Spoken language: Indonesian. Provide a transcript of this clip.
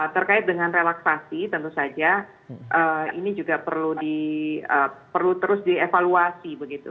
terkait dengan relaksasi tentu saja ini juga perlu terus dievaluasi begitu